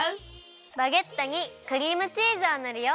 バゲットにクリームチーズをぬるよ。